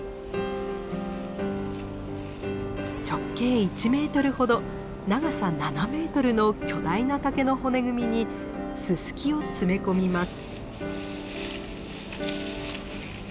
直径１メートルほど長さ７メートルの巨大な竹の骨組みにススキを詰め込みます。